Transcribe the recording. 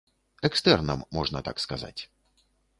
Экстэрнам, можна так сказаць.